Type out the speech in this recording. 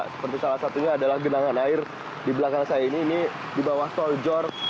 seperti salah satunya adalah genangan air di belakang saya ini ini di bawah tol jor